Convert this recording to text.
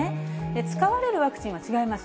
使われるワクチンは違います。